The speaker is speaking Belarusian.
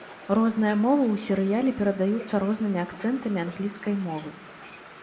Розныя мовы ў серыяле перадаюцца рознымі акцэнтамі англійскай мовы.